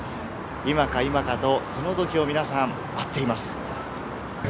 今か今かとその時を皆さん待っています。